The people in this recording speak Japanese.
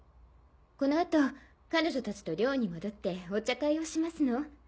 この後彼女たちと寮に戻ってお茶会をしますの。